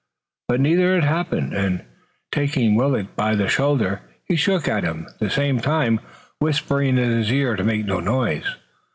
But neither had happened, and, taking Willet by the shoulder, he shook him, at the same time whispering in his ear to make no noise.